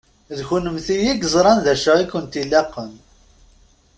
D kennemti i yeẓṛan d acu i kent-ilaqen.